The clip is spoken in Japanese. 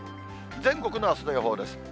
全国のあすの予報です。